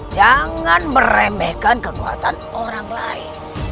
jangan meremehkan kekuatan orang lain